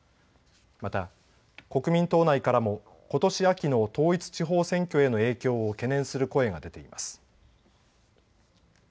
また国民党内からもことし秋の統一地方選挙への影響を懸念する声が出ています。